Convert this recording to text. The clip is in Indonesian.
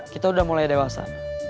kita udah mulai dewasa